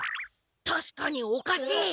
たしかにおかしい！